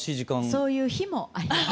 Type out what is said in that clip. そういう日もあります。